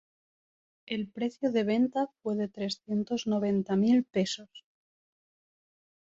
El precio de venta fue de trescientos noventa mil pesos.